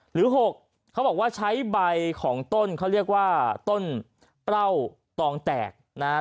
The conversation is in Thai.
หรือ๖เขาบอกว่าใช้ใบของต้นเขาเรียกว่าต้นเปล้าตองแตกนะครับ